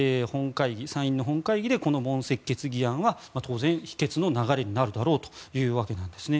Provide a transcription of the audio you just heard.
参院の本会議でこの問責決議案は当然、否決の流れになるだろうというわけです。